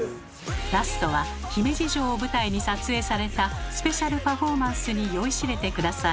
ラストは姫路城を舞台に撮影されたスペシャルパフォーマンスに酔いしれて下さい。